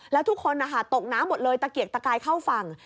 แล้วทุกคนตกน้ำหมดเลยตะเกียกตะกายเข้าฝั่ง